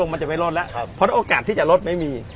มันจะมันจะไม่ลดละครับพอโอกาสที่จะลดไม่มี